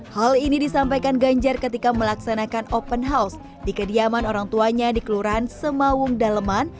hal ini disampaikan ganjar ketika melaksanakan open house di kediaman orang tuanya di kelurahan semawung daleman